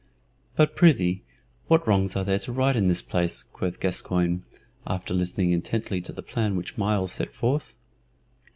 "But, prithee, what wrongs are there to right in this place?" quoth Gascoyne, after listening intently to the plan which Myles set forth.